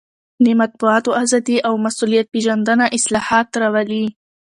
د مطبوعاتو ازادي او مسوولیت پېژندنه اصلاحات راولي.